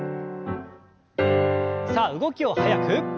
さあ動きを速く。